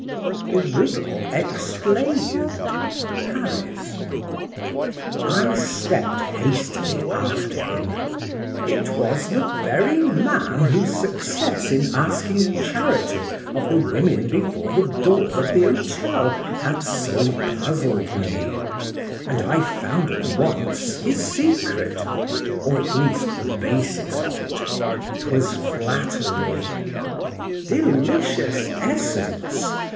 THE RIDDLE EXPLAINED. PARIS. I STEPPED hastily after him: it was the very man whose success in asking charity of the women before the door of the hotel had so puzzled me;—and I found at once his secret, or at least the basis of it:—'twas flattery. Delicious essence!